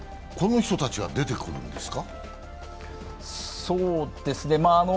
この人たちは出てくるんですか？